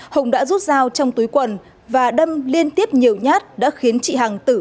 hùng đã rút dao trong túi quần và đâm liên tiếp nhiều nhát đã khiến chị hằng tự nhiên